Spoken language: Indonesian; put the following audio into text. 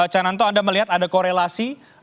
cananto anda melihat ada korelasi